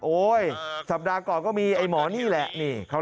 สัปดาห์ก่อนก็มีไอ้หมอนี่แหละ